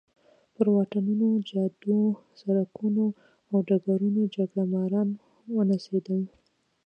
پر واټونو، جادو، سړکونو او ډګرونو جګړه ماران ونڅېدل.